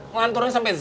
nganturnya sampe z